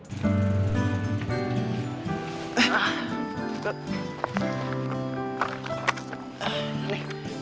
nih kamu gak apa apa kan